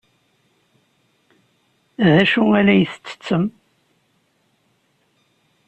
D acu ay la tettettem?